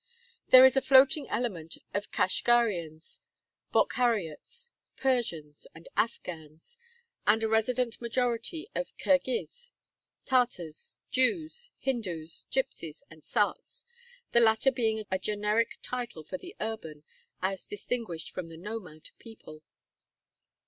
There is a floating element of Kashgarians, Bokhariots, Persians, and Afghans, and a resident majority of Kirghiz, Tatars, Jews, Hindus, gypsies, and Sarts, the latter being a generic title for the urban, as distinguished from the nomad, people.